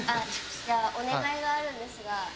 じゃあ、お願いがあるんですが。